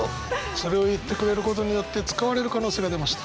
それを言ってくれることによって使われる可能性が出ました。